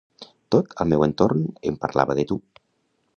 Tot, al meu entorn, em parlava de tu.